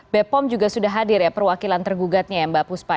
bepom juga sudah hadir ya perwakilan tergugatnya ya mbak puspa